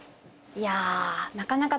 いやなかなか。